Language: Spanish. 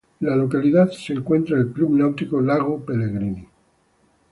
En la localidad se encuentra el Club Náutico Lago Pellegrini.